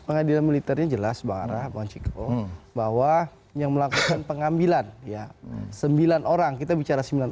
pengadilan militernya jelas bahwa yang melakukan pengambilan ya sembilan orang kita bicara sembilan